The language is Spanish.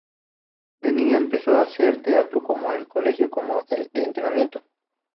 De niña empezó a hacer teatro en el colegio como entretenimiento.